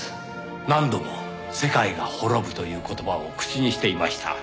何度も「世界が滅ぶ」という言葉を口にしていました。